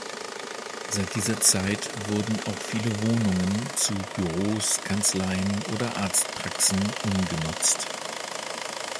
Seit dieser Zeit wurden auch viele Wohnungen zu Büros, Kanzleien oder Arztpraxen umgenutzt.